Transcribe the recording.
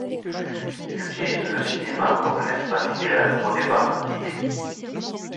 Il utilise le cinéma comme un espace idéal pour débattre d'idées.